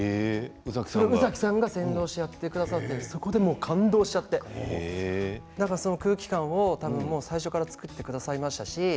宇崎さんが先導してやってくださってそこでもう感動しちゃってその空気感を最初から作ってくださいましたし